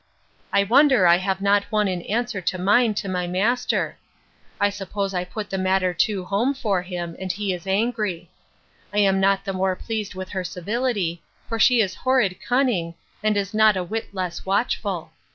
I wonder I have not one in answer to mine to my master. I suppose I put the matter too home to him: and he is angry. I am not the more pleased with her civility; for she is horrid cunning, and is not a whit less watchful.